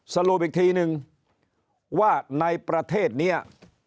สรุปอีกทีนึงว่าในประเทศนี้